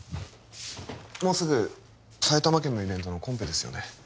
もうすぐ埼玉県のイベントのコンペですよね？